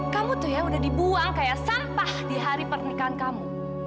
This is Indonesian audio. kamu tuh ya udah dibuang kayak sampah di hari pernikahan kamu